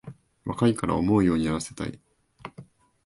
若いから思うようにやらせたい